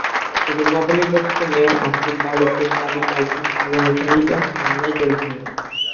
তবে নবনির্বাচিত মেয়র আবদুল বারেক দাবি করেছেন, তাঁর অনুসারীরা হামলায় জড়িত নন।